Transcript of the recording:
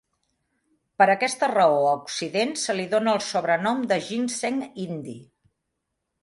Per aquesta raó, a Occident se li dóna el sobrenom de ginseng indi.